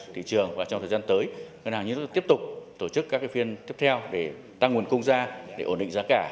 thị trường và trong thời gian tới ngân hàng nhà nước tiếp tục tổ chức các phiên tiếp theo để tăng nguồn cung ra để ổn định giá cả